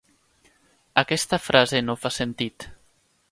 Aquesta frase no fa sentit.